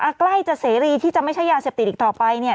ใกล้จะเสรีที่จะไม่ใช่ยาเสพติดอีกต่อไปเนี่ย